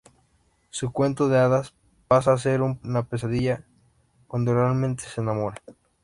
Su cuento de hadas pasa a ser una pesadilla cuando realmente se enamora.